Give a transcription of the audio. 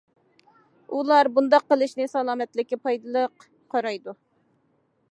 ئۇلار بۇنداق قىلىشنى سالامەتلىككە پايدىلىق، قارايدۇ.